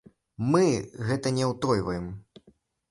Мы гэта не ўтойваем.